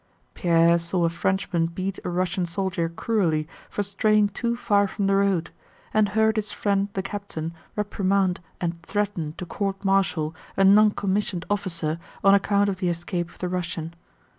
Pierre saw a Frenchman beat a Russian soldier cruelly for straying too far from the road, and heard his friend the captain reprimand and threaten to court martial a noncommissioned officer on account of the escape of the Russian.